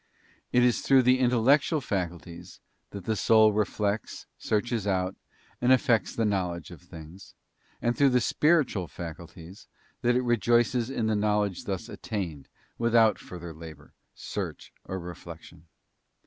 It is through the intellectual faculties that the soul reflects, searches out, and effects the knowledge of things; and through the spiritual faculties that it rejoices in the knowledge thus attained without further labour, search, or reflection.